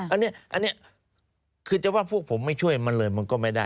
อันนี้คือจะว่าพวกผมไม่ช่วยมันเลยมันก็ไม่ได้